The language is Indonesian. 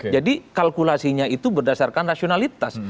jadi kalkulasinya itu berdasarkan rasionalitas